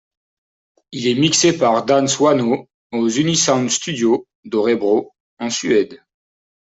Il est mixé par Dan Swanö aux Unisound studios d'Örebro, en Suède.